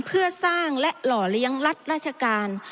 เพื่อสร้างและหล่อเลี้ยงรัฐราชการ